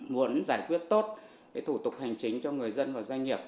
muốn giải quyết tốt thủ tục hành chính cho người dân và doanh nghiệp